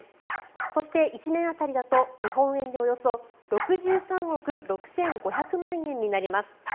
そして、１年当たりだと日本円で、およそ６３億６５００万円になります。